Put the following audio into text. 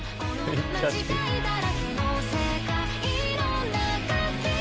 「この間違いだらけの世界の中」